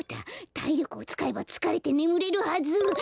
たいりょくをつかえばつかれてねむれるはず！